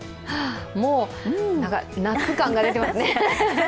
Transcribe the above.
もう夏感が出てますね。